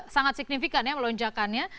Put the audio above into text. sangat signifikan ya melonjakannya